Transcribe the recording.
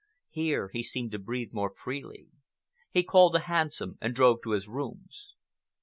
Here he seemed to breathe more freely. He called a hansom and drove to his rooms.